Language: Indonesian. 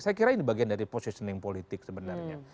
saya kira ini bagian dari positioning politik sebenarnya